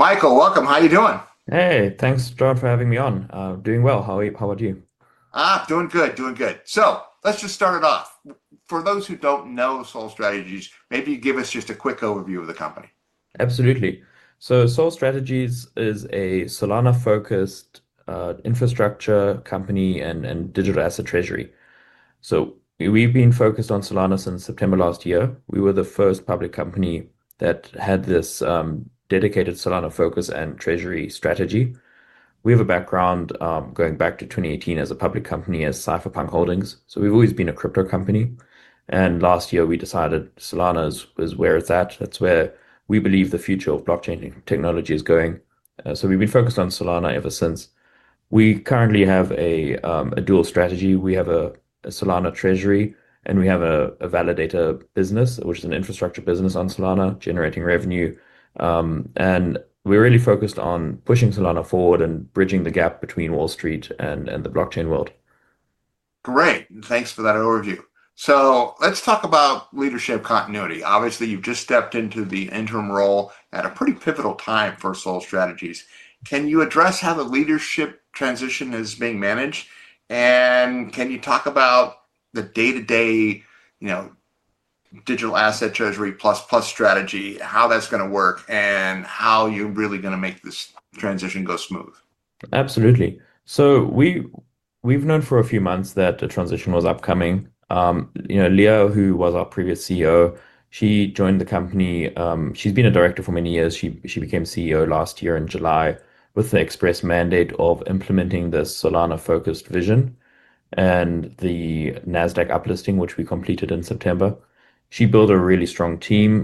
Michael, welcome. How are you doing? Hey, thanks, John, for having me on. Doing well. How about you? Doing good, doing good. Let's just start it off. For those who don't know Sol Strategies, maybe give us just a quick overview of the company. Absolutely. Sol Strategies is a Solana-focused infrastructure company and digital asset treasury. We've been focused on Solana since September last year. We were the first public company that had this dedicated Solana focus and treasury strategy. We have a background going back to 2018 as a public company as Cypherpunk Holdings. We've always been a crypto company. Last year, we decided Solana is where it's at. That's where we believe the future of blockchain technology is going. We've been focused on Solana ever since. We currently have a dual strategy. We have a Solana treasury and we have a validator business, which is an infrastructure business on Solana, generating revenue. We're really focused on pushing Solana forward and bridging the gap between Wall Street and the blockchain world. Great. Thanks for that overview. Let's talk about leadership continuity. Obviously, you've just stepped into the interim role at a pretty pivotal time for Sol Strategies. Can you address how the leadership transition is being managed? Can you talk about the day-to-day, you know, digital asset treasury plus plus strategy, how that's going to work and how you're really going to make this transition go smooth? Absolutely. We've known for a few months that the transition was upcoming. Leah, who was our previous CEO, joined the company. She's been a director for many years. She became CEO last year in July with the express mandate of implementing this Solana-focused vision and the NASDAQ uplisting, which we completed in September. She built a really strong team,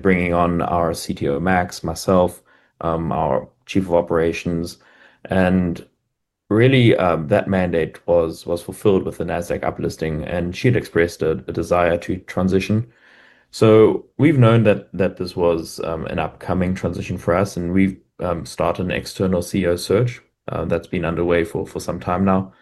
bringing on our CTO, Max, myself, our Chief of Operations. That mandate was fulfilled with the NASDAQ uplisting. She had expressed a desire to transition. We've known that this was an upcoming transition for us. We've started an external CEO search that's been underway for some time now.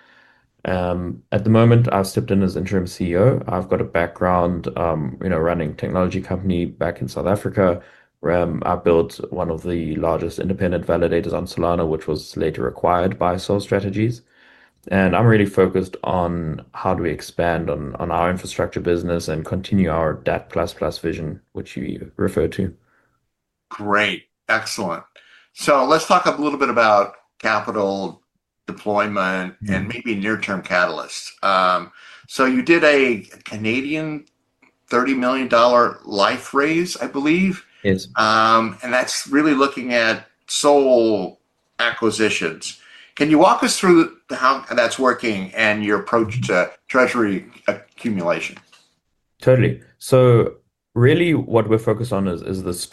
At the moment, I've stepped in as interim CEO. I've got a background running a technology company back in South Africa. I built one of the largest independent validators on Solana, which was later acquired by Sol Strategies. I'm really focused on how do we expand on our infrastructure business and continue our DAT++ vision, which you referred to. Great. Excellent. Let's talk a little bit about capital deployment and maybe near-term catalysts. You did a 30 million Canadian dollars life raise, I believe. Yes. That is really looking at SOL acquisitions. Can you walk us through how that is working and your approach to treasury accumulation? Totally. Really, what we're focused on is this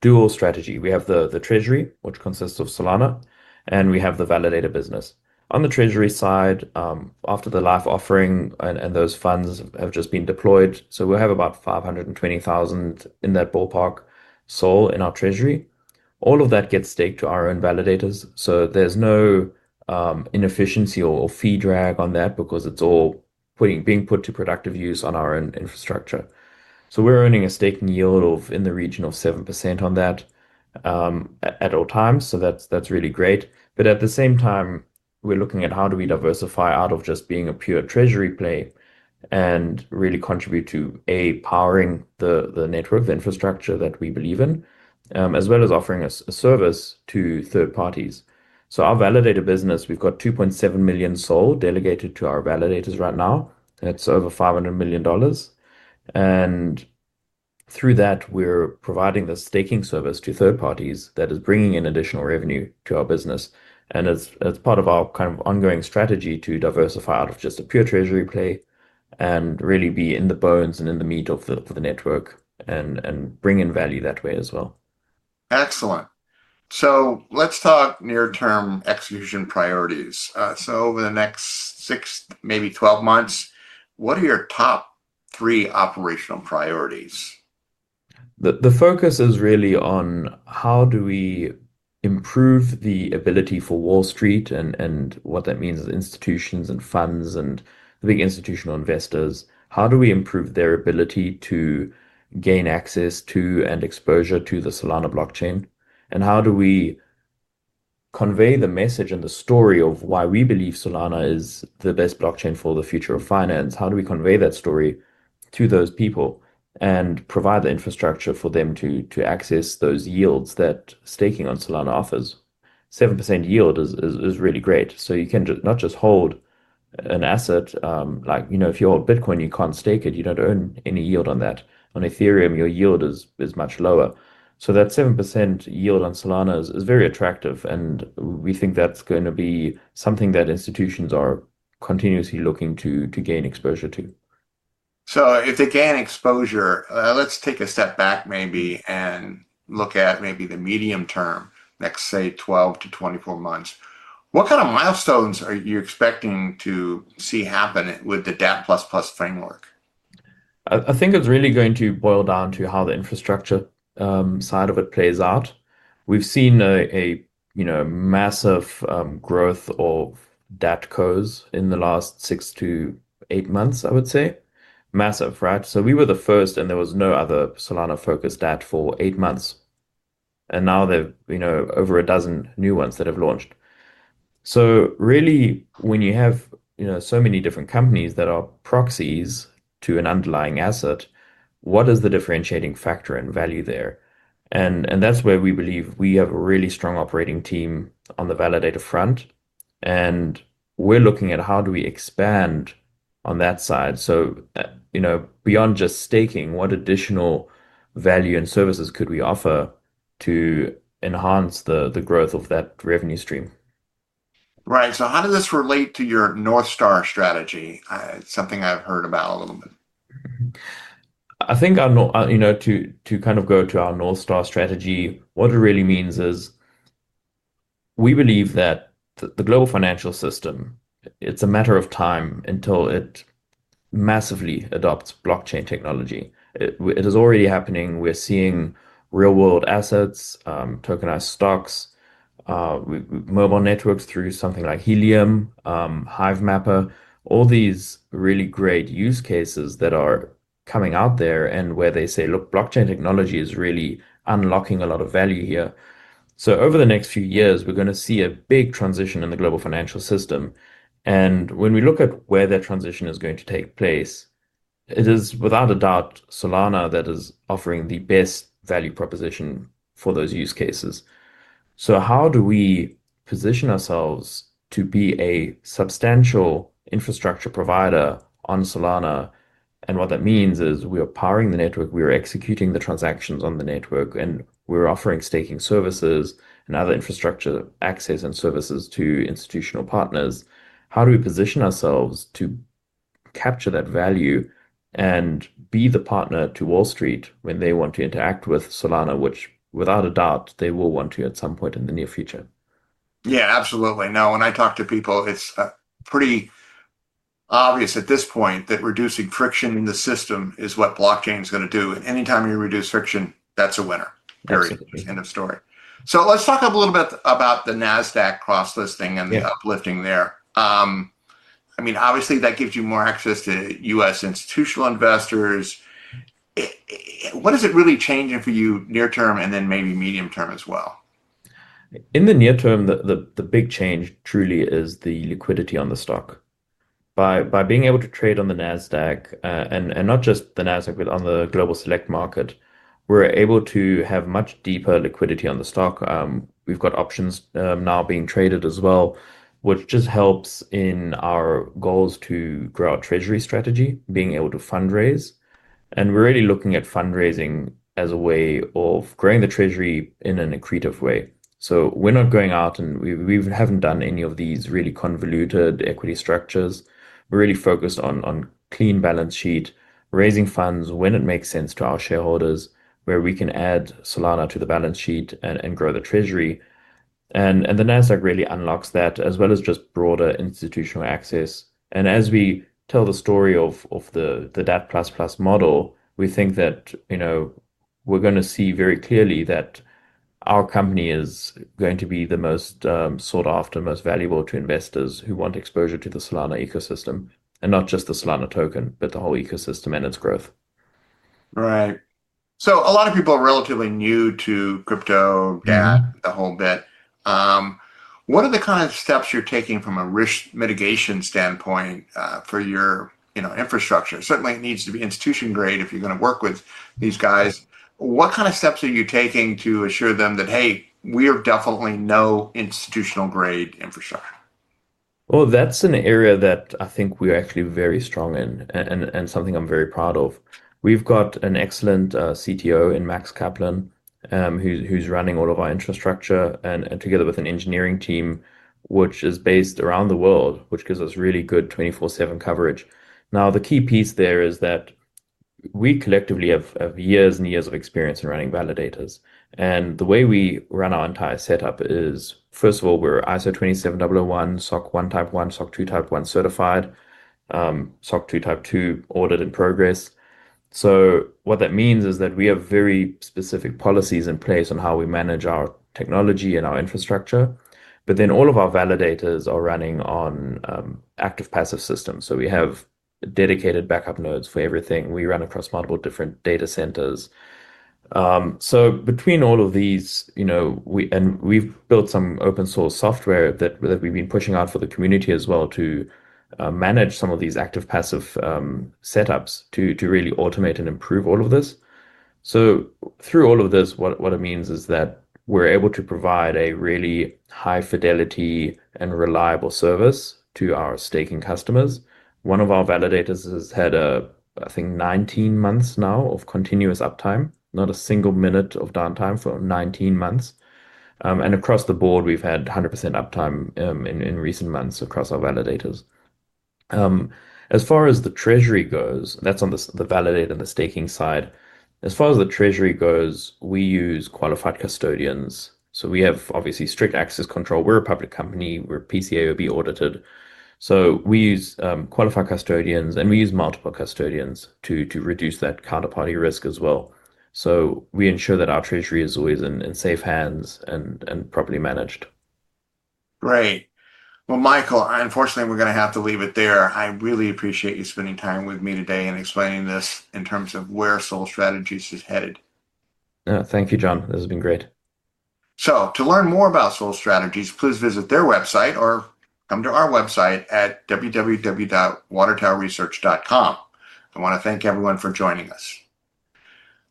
dual strategy. We have the treasury, which consists of Solana, and we have the validator business. On the treasury side, after the live offering and those funds have just been deployed, we'll have about $520,000 in that ballpark SOL in our treasury. All of that gets staked to our own validators. There's no inefficiency or fee drag on that because it's all being put to productive use on our own infrastructure. We're earning a staking yield in the region of 7% on that at all times. That's really great. At the same time, we're looking at how do we diversify out of just being a pure treasury play and really contribute to powering the network, the infrastructure that we believe in, as well as offering a service to third parties. Our validator business, we've got 2.7 million SOL delegated to our validators right now. That's over $500 million. Through that, we're providing the staking service to third parties that is bringing in additional revenue to our business. It's part of our ongoing strategy to diversify out of just a pure treasury play and really be in the bones and in the meat of the network and bring in value that way as well. Excellent. Let's talk near-term execution priorities. Over the next 6, maybe 12 months, what are your top three operational priorities? The focus is really on how do we improve the ability for Wall Street and what that means for institutions and funds and the big institutional investors. How do we improve their ability to gain access to and exposure to the Solana blockchain? How do we convey the message and the story of why we believe Solana is the best blockchain for the future of finance? How do we convey that story to those people and provide the infrastructure for them to access those yields that staking on Solana offers? 7% yield is really great. You can not just hold an asset like, you know, if you hold Bitcoin, you can't stake it. You don't earn any yield on that. On Ethereum, your yield is much lower. That 7% yield on Solana is very attractive. We think that's going to be something that institutions are continuously looking to gain exposure to. If they gain exposure, let's take a step back and look at maybe the medium term, next, say, 12-24 months. What kind of milestones are you expecting to see happen with the DAT++ framework? I think it's really going to boil down to how the infrastructure side of it plays out. We've seen a massive growth of DAT codes in the last six to eight months, I would say. Massive, right? We were the first and there was no other Solana-focused DAT for eight months. Now there are over a dozen new ones that have launched. When you have so many different companies that are proxies to an underlying asset, what is the differentiating factor and value there? That's where we believe we have a really strong operating team on the validator front. We're looking at how do we expand on that side. Beyond just staking, what additional value and services could we offer to enhance the growth of that revenue stream? Right. How does this relate to your North Star strategy? It's something I've heard about a little bit. I think, to kind of go to our North Star strategy, what it really means is we believe that the global financial system, it's a matter of time until it massively adopts blockchain technology. It is already happening. We're seeing real-world assets, tokenized stocks, mobile networks through something like Helium, Hivemapper, all these really great use cases that are coming out there where they say, look, blockchain technology is really unlocking a lot of value here. Over the next few years, we're going to see a big transition in the global financial system. When we look at where that transition is going to take place, it is without a doubt Solana that is offering the best value proposition for those use cases. How do we position ourselves to be a substantial infrastructure provider on Solana? What that means is we are powering the network, we are executing the transactions on the network, and we're offering staking services and other infrastructure access and services to institutional partners. How do we position ourselves to capture that value and be the partner to Wall Street when they want to interact with Solana, which without a doubt they will want to at some point in the near future? Yeah, absolutely. Now, when I talk to people, it's pretty obvious at this point that reducing friction in the system is what blockchain is going to do. Anytime you reduce friction, that's a winner. Absolutely. End of story. Let's talk a little bit about the NASDAQ cross-listing and the uplisting there. Obviously, that gives you more access to U.S. institutional investors. What is it really changing for you near-term and then maybe medium-term as well? In the near-term, the big change truly is the liquidity on the stock. By being able to trade on the NASDAQ, and not just the NASDAQ, but on the global select market, we're able to have much deeper liquidity on the stock. We've got options now being traded as well, which just helps in our goals to grow our treasury strategy, being able to fundraise. We're really looking at fundraising as a way of growing the treasury in an accretive way. We're not going out and we haven't done any of these really convoluted equity structures. We're really focused on clean balance sheet, raising funds when it makes sense to our shareholders, where we can add Solana to the balance sheet and grow the treasury. The NASDAQ really unlocks that as well as just broader institutional access. As we tell the story of the DAT++ model, we think that, you know, we're going to see very clearly that our company is going to be the most sought-after, most valuable to investors who want exposure to the Solana ecosystem, and not just the Solana token, but the whole ecosystem and its growth. Right. A lot of people are relatively new to crypto, DAT, the whole bit. What are the kind of steps you're taking from a risk mitigation standpoint for your infrastructure? Certainly, it needs to be institution-grade if you're going to work with these guys. What kind of steps are you taking to assure them that, hey, we are definitely not institutional-grade infrastructure? Oh, that's an area that I think we are actually very strong in and something I'm very proud of. We've got an excellent CTO in Max Kaplan, who's running all of our infrastructure, and together with an engineering team, which is based around the world, which gives us really good 24/7 coverage. The key piece there is that we collectively have years and years of experience in running validators. The way we run our entire setup is, first of all, we're ISO 27001, SOC 1 Type 1, SOC 2 Type 1 certified, SOC 2 Type 2 audited in progress. What that means is that we have very specific policies in place on how we manage our technology and our infrastructure. All of our validators are running on active-passive systems. We have dedicated backup nodes for everything. We run across multiple different data centers. Between all of these, we've built some open-source software that we've been pushing out for the community as well to manage some of these active-passive setups to really automate and improve all of this. Through all of this, what it means is that we're able to provide a really high-fidelity and reliable service to our staking customers. One of our validators has had, I think, 19 months now of continuous uptime, not a single minute of downtime for 19 months. Across the board, we've had 100% uptime in recent months across our validators. As far as the treasury goes, that's on the validator and the staking side. As far as the treasury goes, we use qualified custodians. We have obviously strict access control. We're a public company. We're PCAOB audited. We use qualified custodians and we use multiple custodians to reduce that counterparty risk as well. We ensure that our treasury is always in safe hands and properly managed. Great. Michael, unfortunately, we're going to have to leave it there. I really appreciate you spending time with me today and explaining this in terms of where Sol Strategies is headed. Yeah, thank you, John. This has been great. To learn more about Sol Strategies, please visit their website or come to our website at www.watertowerresearch.com. I want to thank everyone for joining us.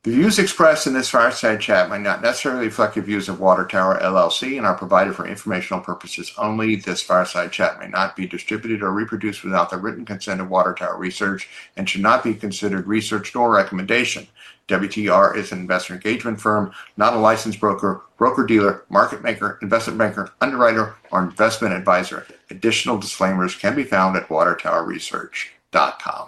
The views expressed in this fireside chat may not necessarily reflect the views of Water Tower Research and are provided for informational purposes only. This fireside chat may not be distributed or reproduced without the written consent of Water Tower Research and should not be considered research nor recommendation. WTR is an investor engagement firm, not a licensed broker, broker-dealer, market maker, investment banker, underwriter, or investment advisor. Additional disclaimers can be found at watertowerresearch.com.